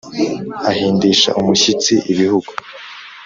ahindisha umushyitsi ibihugu;